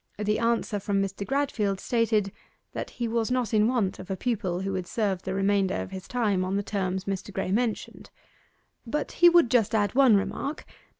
The answer from Mr. Gradfield stated that he was not in want of a pupil who would serve the remainder of his time on the terms Mr. Graye mentioned. But he would just add one remark.